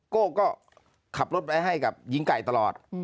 โก้ก็ขับรถไว้ให้กับหญิงไก่ตลอด